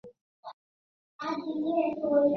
এতদিন যে ধৈর্য ধরিয়া অবস্থান করিতেছি আজ তাহা সার্থক হইল।